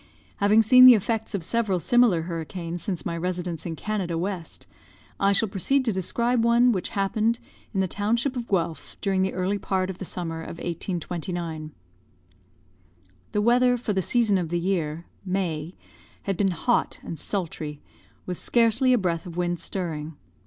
Having seen the effects of several similar hurricanes since my residence in Canada West, I shall proceed to describe one which happened in the township of Guelph during the early part of the summer of 1829. "The weather, for the season of the year (May), had been hot and sultry, with scarcely a breath of wind stirring.